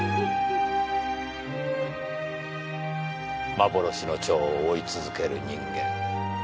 幻の蝶を追い続ける人間。